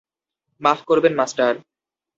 মাফ করবেন, মাস্টার।